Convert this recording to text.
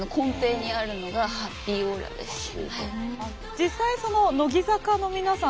実際その乃木坂の皆さん